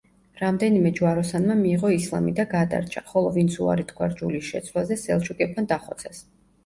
რამდენიმე ჯვაროსანმა მიიღო ისლამი და გადარჩა, ხოლო ვინც უარი თქვა რჯულის შეცვლაზე სელჩუკებმა დახოცეს.